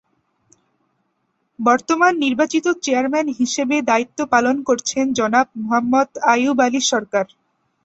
বর্তমান নির্বাচিত চেয়ারম্যান হিসেবে দায়িত্ব পালন করছেন জনাব মোহাম্মদ আইয়ুব আলী সরকার।